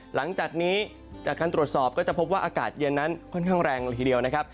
หลังจากนี้จากการตรวจสอบก็จะพบว่าอากาศเย็นนั้นค่อนข้างแรงละทีเดียวนะครับ